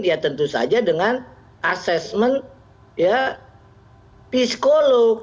ya tentu saja dengan assessment psikolog